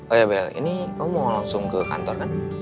oh ya bel ini kamu mau langsung ke kantor kan